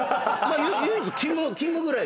唯一キムぐらい。